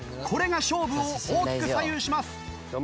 これが勝負を大きく左右します。